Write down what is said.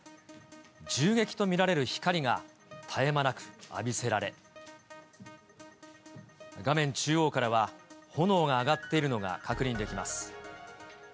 銃撃と見られる光が絶え間なく浴びせられ、画面中央からは、炎が上がっているのが確認できます。